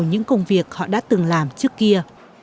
những công việc họ đã từng làm trước kia